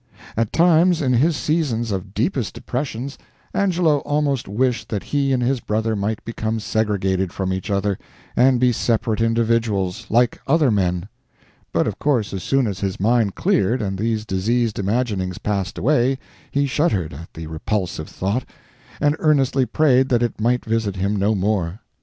At times, in his seasons of deepest depressions, Angelo almost wished that he and his brother might become segregated from each other and be separate individuals, like other men. But of course as soon as his mind cleared and these diseased imaginings passed away, he shuddered at the repulsive thought, and earnestly prayed that it might visit him no more.